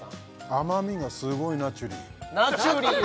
甘みがすごいナチュリーナチュリー